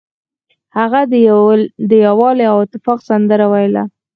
هغه د یووالي او اتفاق سندره ویله.